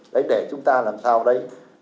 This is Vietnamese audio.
đấy để chúng ta làm sao đấy